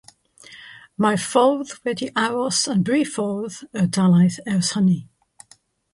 Mae'r ffordd wedi aros yn briffordd y dalaith ers hynny.